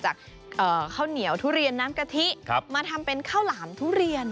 จากข้าวเหนียวทุเรียนน้ำกะทิมาทำเป็นข้าวหลามทุเรียน